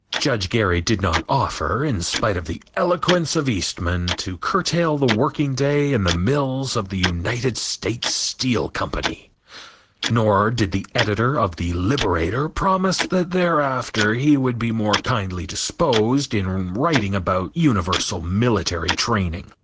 Judge Gary did not offer, in spite of the eloquence of Eastman, to curtail the working day in the mills of the United States Steel Company, nor did the editor of The Liberator promise that thereafter he would be more kindly disposed in writing about universal military training.